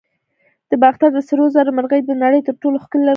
د باختر د سرو زرو مرغۍ د نړۍ تر ټولو ښکلي لرغوني زیور دی